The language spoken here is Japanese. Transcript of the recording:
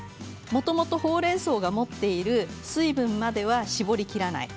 もともとほうれんそうが持っている水分までは絞りきらない。